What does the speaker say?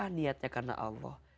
niatnya karena allah